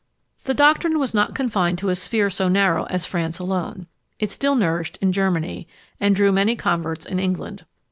The doctrine was not confined to a sphere so narrow as France alone; it still nourished in Germany, and drew many converts in England.